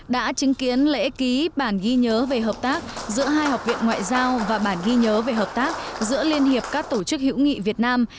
đã chứng kiến lễ ký bản ghi nhớ về hợp tác giữa hai học viện ngoại giao và bản ghi nhớ về hợp tác giữa liên hiệp các tổ chức hữu nghị việt nam